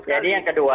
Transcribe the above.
jadi yang kedua